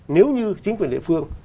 nếu như chính quyền địa phương